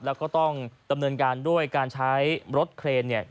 แล้วก็ต้องดำเนินการด้วยการใช้รถเครนเนี่ย